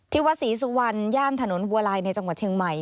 วัดศรีสุวรรณย่านถนนบัวลายในจังหวัดเชียงใหม่